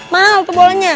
mana hal pembolanya